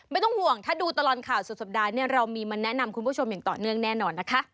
ไม่ต้องห่วงถ้าดูตลอดข่าวสุดสัปดาห์เนี่ยเรามีมาแนะนำคุณผู้ชมอย่างต่อเนื่องแน่นอนนะคะ